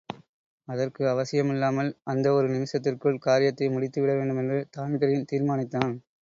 அதற்கு அவசியமில்லாமல், அந்த ஒரு நிமிஷத்திற்குள் காரியத்தை முடித்து விடவேண்டுமென்று தான்பிரீன் தீர்மானித்தான்.